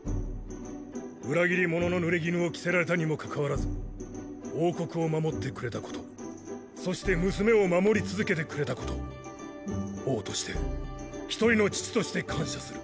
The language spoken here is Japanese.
裏切り者の濡れ衣を着せられたにもかかわらず王国を守ってくれたことそして娘を守り続けてくれたこと王として一人の父として感謝する。